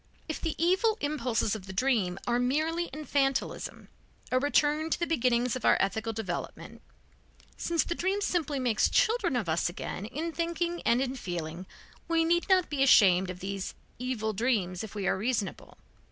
If the evil impulses of the dream are merely infantilism, a return to the beginnings of our ethical development, since the dream simply makes children of us again in thinking and in feeling, we need not be ashamed of these evil dreams if we are reasonable.